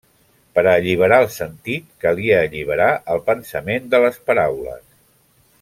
Per a alliberar el sentit, calia alliberar el pensament de les paraules.